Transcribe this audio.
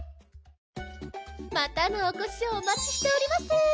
またのお越しをお待ちしております。